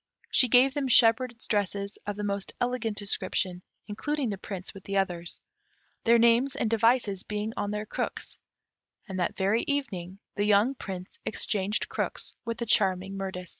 She gave them shepherds' dresses of the most elegant description, including the Prince with the others, their names and devices being on their crooks; and that very evening the young Prince exchanged crooks with the charming Mirtis.